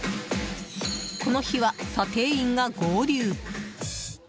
この日は、査定員が合流。